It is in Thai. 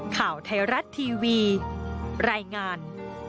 ข่าวไทยรัฐทีวีรายงาน